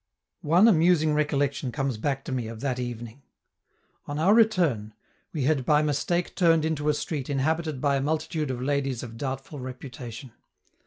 One amusing recollection comes back to me of that evening. On our return, we had by mistake turned into a street inhabited by a multitude of ladies of doubtful reputation.